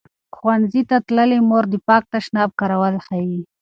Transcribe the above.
ښوونځې تللې مور د پاک تشناب کارول ښيي.